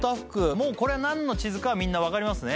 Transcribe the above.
もうこれはなんの地図かはみんなわかりますね？